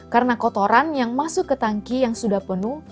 karena kotoran yang masuk ke tanki yang sudah penuh